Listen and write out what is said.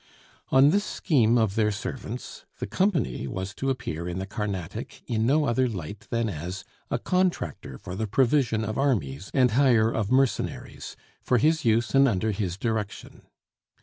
On this scheme of their servants, the company was to appear in the Carnatic in no other light than as a contractor for the provision of armies and hire of mercenaries, for his use and under his direction.